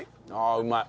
うまい。